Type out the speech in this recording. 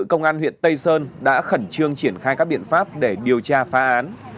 công an huyện tây sơn đã khẩn trương triển khai các biện pháp để điều tra phá án